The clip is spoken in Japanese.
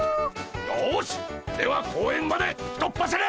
よしでは公園までひとっ走り！